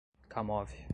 Kamov